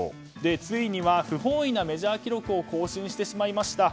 ついには不本意なメジャー記録を更新してしまいました。